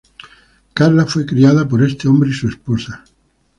Carla fue criada por este hombre y su esposa.